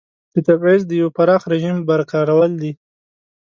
د تبعیض د یوه پراخ رژیم برقرارول دي.